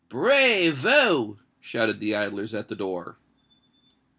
"Brayvo!" shouted the idlers at the door.